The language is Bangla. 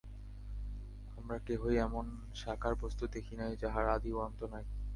আমরা কেহই এমন সাকার বস্তু দেখি নাই, যাহার আদি ও অন্ত নাই।